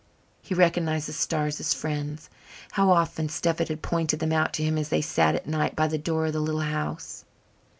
He recognized the stars as friends; how often Stephen had pointed them out to him as they sat at night by the door of the little house.